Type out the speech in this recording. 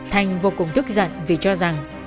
thanh vô cùng thức giận vì cho rằng